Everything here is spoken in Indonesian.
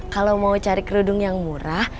kalau mau cari kerudung yang murah